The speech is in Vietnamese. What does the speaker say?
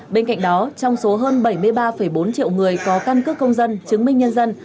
bên cạnh đó trong số hơn bảy mươi ba bốn triệu người có căn cước công dân chứng minh nhân dân